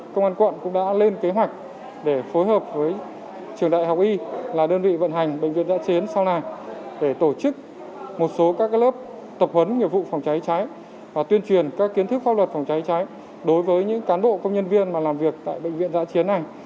công an quận cũng đã lên kế hoạch để phối hợp với trường đại học y là đơn vị vận hành bệnh viện giã chiến sau này để tổ chức một số các lớp tập huấn nghiệp vụ phòng cháy cháy và tuyên truyền các kiến thức pháp luật phòng cháy cháy đối với những cán bộ công nhân viên mà làm việc tại bệnh viện giã chiến này